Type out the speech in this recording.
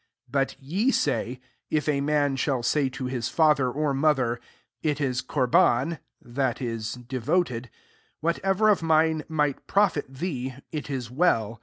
* 11 But ye say, 'If a man shall say to Ms father or mother, It is Corban, (that is, devoted) • whatever of mine might profit thee ;// is well.'